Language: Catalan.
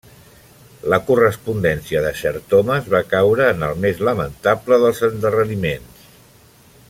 La correspondència de Sir Thomas va caure en el més lamentable dels endarreriments.